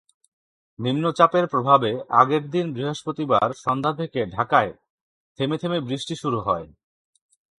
নিম্নচাপের প্রভাবে আগের দিন বৃহস্পতিবার সন্ধ্যা থেকে ঢাকায় থেমে থেমে বৃষ্টি শুরু হয়।